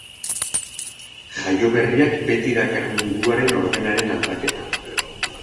Jaioberriak beti dakar munduaren ordenaren aldaketa.